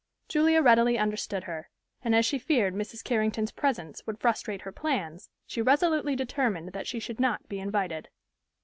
Julia readily understood her; and as she feared Mrs. Carrington's presence would frustrate her plans, she resolutely determined that she should not be invited.